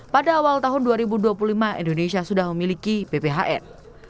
pada awal tahun dua ribu dua puluh lima indonesia sudah memiliki bphn